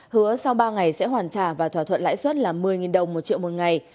hứa sau ba ngày sẽ hoàn trả và thỏa thuận lãi suất là một mươi đồng một triệu một ngày